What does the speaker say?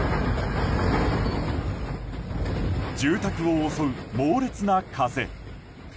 住宅を襲う猛烈な風。